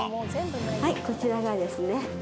はいこちらがですね。